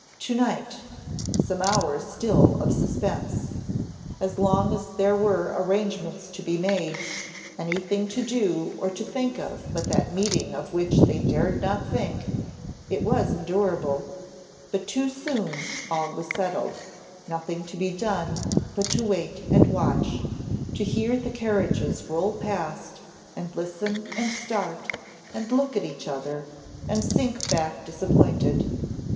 To night some hours still of suspense! As long as there were arrangements to be made, anything to do or to think of but that meeting of which they dared not think, it was endurable, but too soon all was settled; nothing to be done, but to wait and watch, to hear the carriages roll past, and listen, and start, and look at each other, and sink back disappointed.